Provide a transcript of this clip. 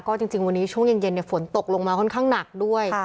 ก็จริงวันนี้ช่วงเย็นฝนตกลงมาค่อนข้างหนักด้วย